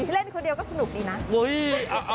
เล่นคนเดียวก็สนุกดีนะ